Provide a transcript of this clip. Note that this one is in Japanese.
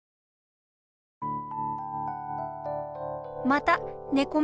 またねこ